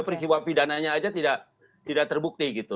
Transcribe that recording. peristiwa pidananya aja tidak terbukti gitu